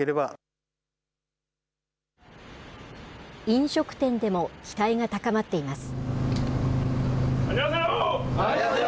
飲食店でも期待が高まっています。